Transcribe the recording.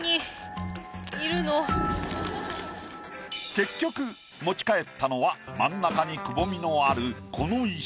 結局持ち帰ったのは真ん中にくぼみのあるこの石。